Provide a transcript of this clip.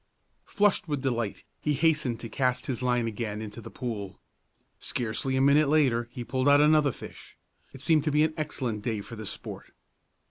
Flushed with delight, he hastened to cast his line again into the pool. Scarcely a minute later he pulled out another fish. It seemed to be an excellent day for the sport.